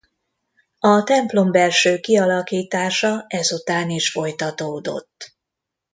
A templombelső kialakítása ezután is folytatódott.